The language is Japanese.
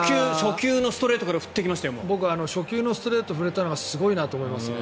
僕は初球のストレートが振れたのがすごいなと思いますね。